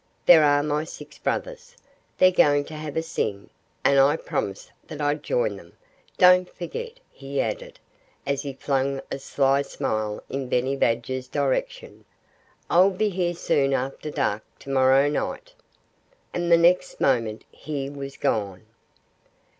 "There are my six brothers! They're going to have a sing. And I promised that I'd join them. ... Don't forget!" he added, as he flung a sly smile in Benny Badger's direction. "I'll be here soon after dark to morrow night." And the next moment he was gone.